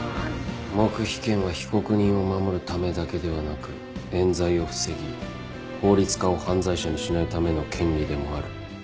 黙秘権は被告人を守るためだけではなく冤罪を防ぎ法律家を犯罪者にしないための権利でもある。